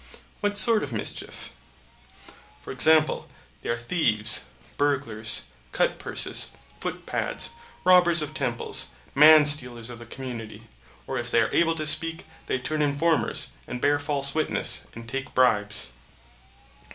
What sort of mischief? For example, they are the thieves, burglars, cut purses, foot pads, robbers of temples, man stealers of the community; or if they are able to speak they turn informers, and bear false witness, and take bribes.